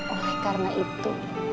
oleh karena itu